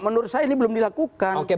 menurut saya ini belum dilakukan